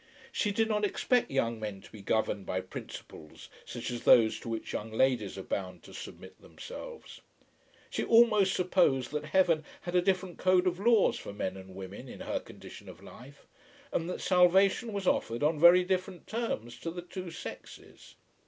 She did not expect young men to be governed by principles such as those to which young ladies are bound to submit themselves. She almost supposed that heaven had a different code of laws for men and women in her condition of life, and that salvation was offered on very different terms to the two sexes.